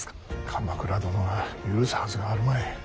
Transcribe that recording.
鎌倉殿が許すはずがあるまい。